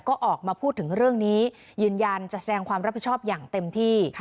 ก็ออกมาพูดถึงเรื่องนี้ยืนยันจะแสดงความรับผิดชอบอย่างเต็มที่